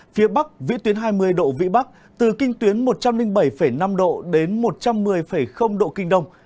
phía bắc vĩ tuyến hai mươi độ vĩ bắc từ kinh tuyến một trăm linh bảy năm độ đến một trăm một mươi độ kinh đông